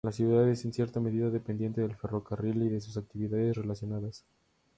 La ciudad es en cierta medida dependiente del ferrocarril y de sus actividades relacionadas.